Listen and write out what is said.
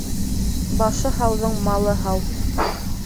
Башы һауҙың малы һау.